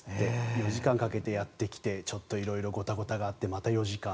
４時間かけてやってきてちょっと色々ごたごたがあってまた４時間。